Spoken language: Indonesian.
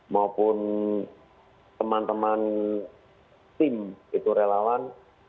maupun teman teman tim itu relawan